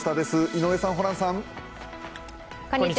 井上さん、ホランさん。